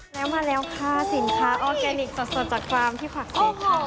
แล้วมาแล้วค่ะสินค้าออร์แกนิคสดจากกรามที่ภักดิ์เซ็ตค่ะ